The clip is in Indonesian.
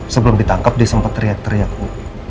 sebelum ditangkap dia sempat teriak teriak bu